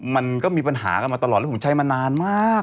มันก็มีปัญหากันมาตลอดแล้วผมใช้มานานมาก